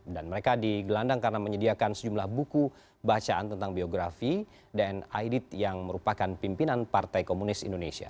dan mereka digelandang karena menyediakan sejumlah buku bacaan tentang biografi dan aidit yang merupakan pimpinan partai komunis indonesia